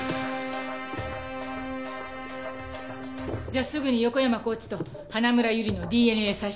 じゃあすぐに横山コーチと花村友梨のＤＮＡ採取。